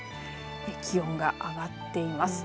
気温が上がっています。